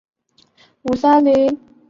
奥克松人口变化图示